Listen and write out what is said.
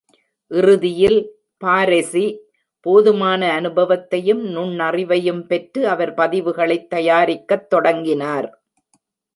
இறுதியில் பாரெஸி போதுமான அனுபவத்தையும் நுண்ணறிவையும் பெற்று, அவர் பதிவுகளைத் தயாரிக்கத் தொடங்கினார்.